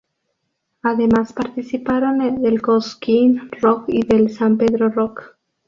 Además, participaron del Cosquín Rock y del San Pedro Rock.